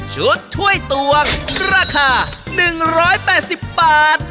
ถ้วยตวงราคา๑๘๐บาท